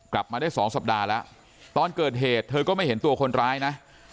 กลับมาได้สองสัปดาห์แล้วตอนเกิดเหตุเธอก็ไม่เห็นตัวคนร้ายนะ